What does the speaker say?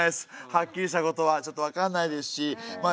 はっきりしたことはちょっと分かんないですしまあ